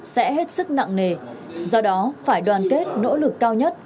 sẽ hết sức nặng nề do đó phải đoàn kết nỗ lực cao nhất